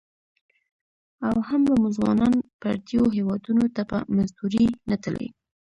او هم به مو ځوانان پرديو هيوادنو ته په مزدورۍ نه تلى.